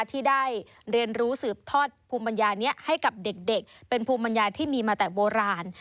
ที่ได้เรียนรู้สืบทอดภูมิปัญญานี้ให้กับเด็กเป็นภูมิปัญญาที่มีมาแต่โบราณ